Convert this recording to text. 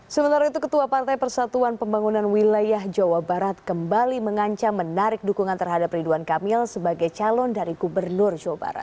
sementara itu ketua partai persatuan pembangunan wilayah jawa barat kembali mengancam menarik dukungan terhadap ridwan kamil sebagai calon dari gubernur jawa barat